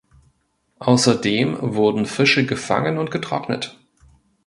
Außerdem wurden Fische gefangen und getrocknet.